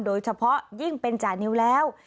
โดยเฉพาะยิ่งเป็นจานิวแล้ว